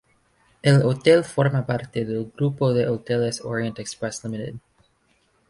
El hotel forma parte del grupo de Hoteles Orient-Express Ltd.